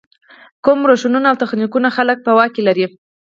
کوم روشونه او تخنیکونه خلک په واک کې لري.